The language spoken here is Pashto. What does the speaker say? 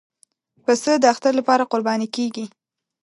پسه د اختر لپاره قرباني کېږي.